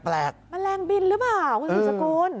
มันแรงบินหรือเปล่าคุณสุสกุล